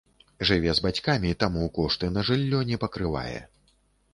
Жыве з бацькамі, таму кошты на жыллё не пакрывае.